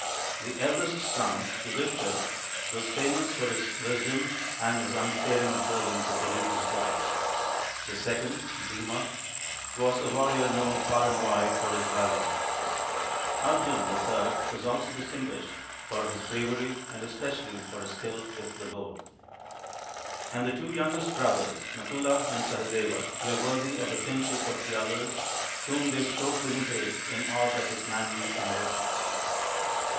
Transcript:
The eldest son, Yudhishthir, was famous for his wisdom and his unfailing observance of religious rites ; the second, Bhima, was a warrior known far and wide for his valour ; Arjun, the third, was also distinguished for his bravery, and especially for his skill with the bow ; and the two youngest brothers, Nakula and Sahadeva, were worthy of the kinship of the others, whom they strove to imitate in all that was manly and virtuous.